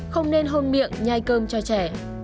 không nên hôn miệng nhai cơm cho trẻ